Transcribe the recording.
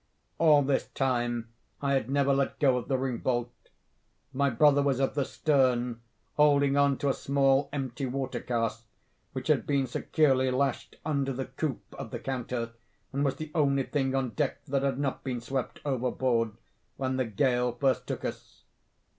All this time I had never let go of the ring bolt. My brother was at the stern, holding on to a small empty water cask which had been securely lashed under the coop of the counter, and was the only thing on deck that had not been swept overboard when the gale first took us.